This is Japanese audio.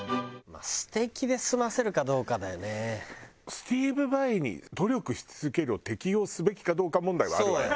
スティーヴ・ヴァイに「努力し続ける」を適用すべきかどうか問題はあるわよ。